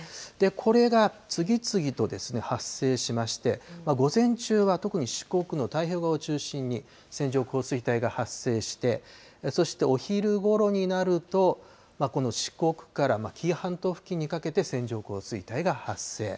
これが次々と発生しまして、午前中は特に四国の太平洋側を中心に線状降水帯が発生して、そしてお昼ごろになると、この四国から紀伊半島付近にかけて線状降水帯が発生。